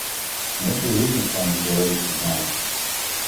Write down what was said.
Мне при жизни с вами сговориться б надо.